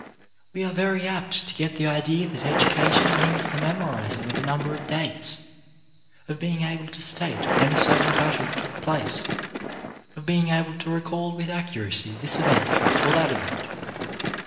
We are very apt to get the idea that education means the memorizing of a number of dates, of being able to state when a certain battle took place, of being able to recall with accuracy this event or that event.